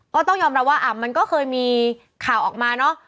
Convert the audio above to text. ก็ต้องยอมรับว่ามันก็เคยมีข่าวออกมาเนอะ